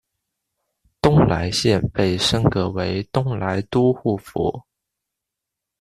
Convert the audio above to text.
东莱县被升格为东莱都护府。